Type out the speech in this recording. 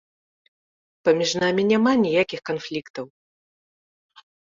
Паміж намі няма ніякіх канфліктаў!